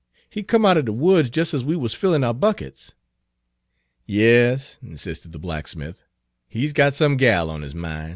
"He come out er de woods jest ez we wuz fillin' our buckets." "Yas," insisted the blacksmith, "he 's got some gal on his min'."